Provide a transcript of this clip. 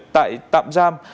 tại tạm giam